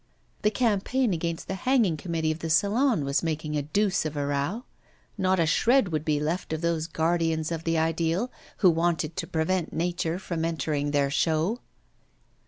The campaign against the hanging committee of the Salon was making a deuce of a row; not a shred would be left of those guardians of the ideal, who wanted to prevent nature from entering their show.